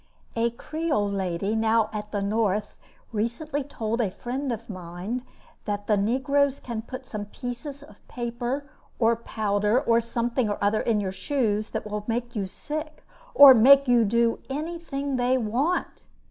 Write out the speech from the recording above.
A creole lady, now at the North, recently told a friend of mine that "the negroes can put some pieces of paper, or powder, or something or other in your shoes, that will make you sick, or make you do anything they want!"